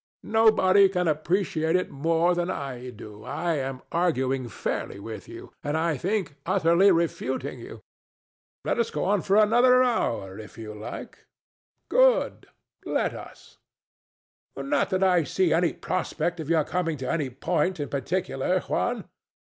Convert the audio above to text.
Nobody can appreciate it more than I do. I am arguing fairly with you, and, I think, utterly refuting you. Let us go on for another hour if you like. DON JUAN. Good: let us. THE STATUE. Not that I see any prospect of your coming to any point in particular, Juan.